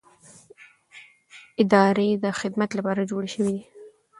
ادارې د خدمت لپاره جوړې شوې دي